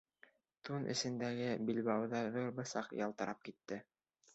Тун эсендәге билбауҙа ҙур бысаҡ ялтырап китте.